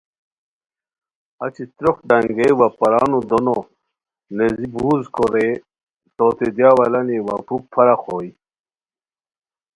اچی تروق ڈانگئیر وا پرانو دونو نیزی بوز کورئیے توتین دیاؤ الانی وا پُھک فرق ہوئے